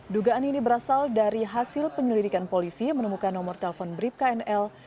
dugaan ini berasal dari hasil penyelidikan polisi menemukan nomor telpon bripknl